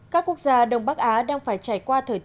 các quốc gia đông bắc á đang phải trải qua thời tiết